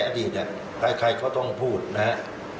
ในอดีตใครควรต้องพูดนะฮะ